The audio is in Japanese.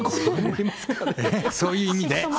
そういう意味で。